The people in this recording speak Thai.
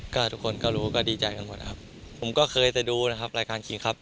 ก็ทุกคนก็รู้ก็ดีใจกันหมดนะครับผมก็เคยแต่ดูนะครับรายการคิงครับ